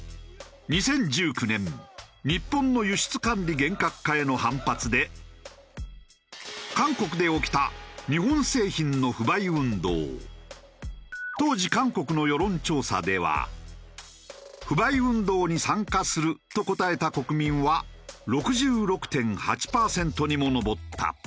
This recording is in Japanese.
２０１９年日本の輸出管理厳格化への反発で韓国で起きた当時韓国の世論調査では「不買運動に参加する」と答えた国民は６６．８パーセントにも上った。